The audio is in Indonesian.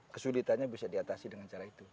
kesulitannya bisa diatasi dengan cara itu